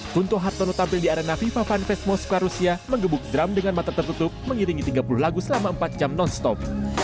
kunto hartono tampil di arena fifa fan fest moskow rusia menggebuk drum dengan mata tertutup mengiringi tiga puluh lagu selama empat jam non stop